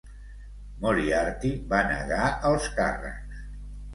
Moriarty va negar els càrrecs.